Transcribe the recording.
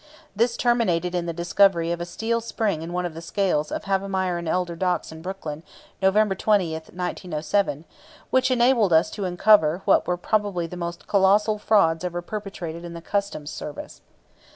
This terminated in the discovery of a steel spring in one of the scales of the Havemeyer & Elder docks in Brooklyn, November 20, 1907, which enabled us to uncover what were probably the most colossal frauds ever perpetrated in the Customs Service.